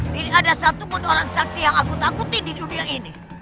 tidak ada satupun orang sakti yang aku takuti di dunia ini